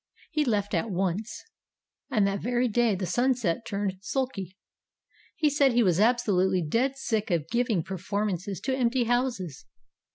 He left at once. And that very day the Sunset turned sulky. He said he was absolutely dead sick of giving perform ances to empty houses.